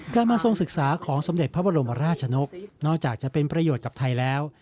มาทรงศึกษาของสมเด็จพระบรมราชนกนอกจากจะเป็นประโยชน์กับไทยแล้ว